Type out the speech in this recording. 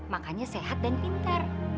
makanya sehat dan pintar